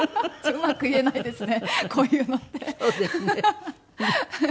うまく言えないですね。